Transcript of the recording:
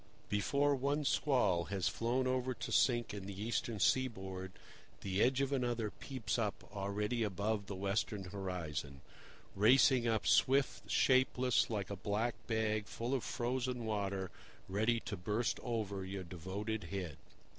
Before one squall has flown over to sink in the eastern board, the edge of another peeps up already above the western horizon, racing up swift, shapeless, like a black bag full of frozen water ready to burst over your devoted head.